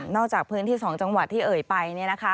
จากพื้นที่๒จังหวัดที่เอ่ยไป